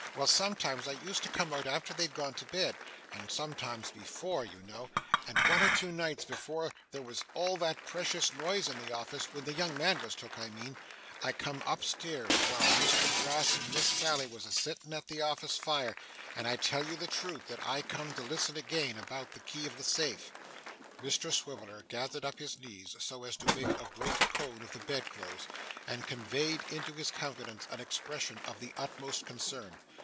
Well, sometimes I used to come out after they'd gone to bed, and sometimes before, you know; and one or two nights before there was all that precious noise in the office when the young man was took, I mean I come upstairs while Mr Brass and Miss Sally was a sittin' at the office fire; and I tell you the truth, that I come to listen again, about the key of the safe.' Mr Swiveller gathered up his knees so as to make a great cone of the bedclothes, and conveyed into his countenance an expression of the utmost concern.